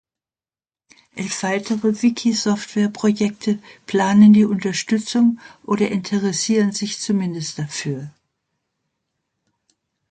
Elf weitere Wiki-Software-Projekte planen die Unterstützung oder interessieren sich zumindest dafür.